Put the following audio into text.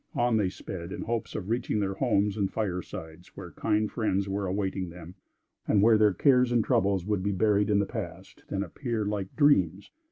On they sped, in the hopes of reaching their homes and firesides, where kind friends were awaiting them, and where their cares and troubles would be buried in the past, and appear like dreams.